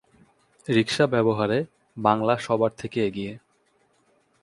রিকশা ব্যবহারে বাংলা সবার থেকে এগিয়ে।